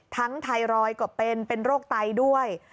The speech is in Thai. ไทรอยด์ก็เป็นเป็นโรคไตด้วย